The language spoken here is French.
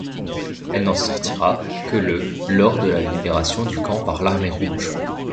Elle n'en sortira que le lors de la libération du camp par l'Armée rouge.